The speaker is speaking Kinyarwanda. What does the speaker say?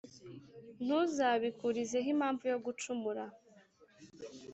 ntuzabikurizeho impamvu yo gucumura.